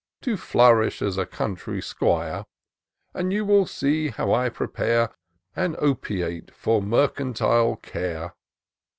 To flourish as a country 'squire ; And you will see how I prepare An opiate for mercantile care.